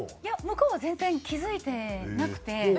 向こうは全然気付いてなくて。